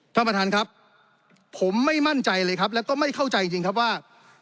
ท่านประธานครับผมไม่มั่นใจเลยครับแล้วก็ไม่เข้าใจจริงครับว่า